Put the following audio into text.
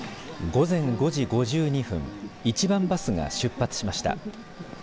午前５時５２分一番バスが出発しました。